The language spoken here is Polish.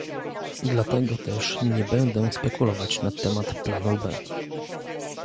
Dlatego też nie będę spekulować na temat planu B